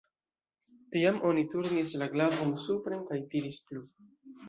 Tiam oni turnis la glavon supren kaj tiris plu.